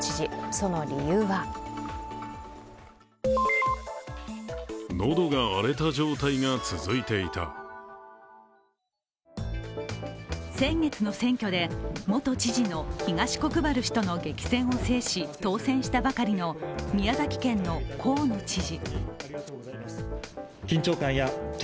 その理由は先月の選挙で元知事の東国原氏との激戦を制し当選したばかりの宮崎県の河野知事。